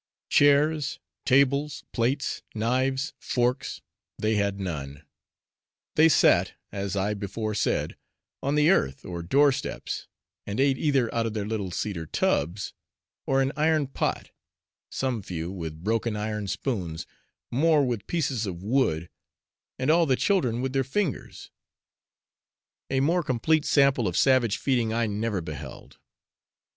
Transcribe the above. Chairs, tables, plates, knives, forks, they had none; they sat, as I before said, on the earth or doorsteps, and ate either out of their little cedar tubs, or an iron pot, some few with broken iron spoons, more with pieces of wood, and all the children with their fingers. A more complete sample of savage feeding, I never beheld.